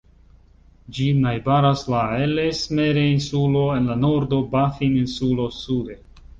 Ĝin najbaras la Ellesmere-insulo en la nordo, Baffin-insulo sude.